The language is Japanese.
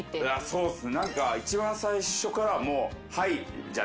そうっす。